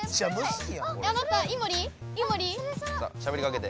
しゃべりかけて。